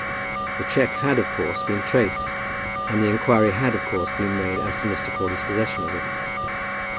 The cheque had of course been traced, and inquiry had of course been made as to Mr. Crawley's possession of it.